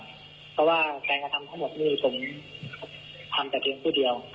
เพราะว่าการกระทำทั้งหมดนี้ผมทำแต่เพียงผู้เดียว